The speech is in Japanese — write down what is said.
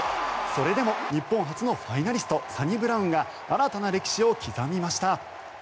それでも日本初のファイナリストサニブラウンが新たな歴史を刻みました。